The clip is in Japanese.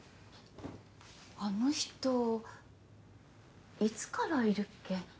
あの人いつからいるっけ？